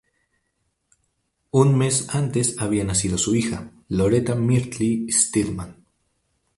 Un mes antes había nacido su hija, Loretta Myrtle Stedman.